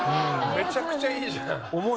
めちゃくちゃいいじゃん。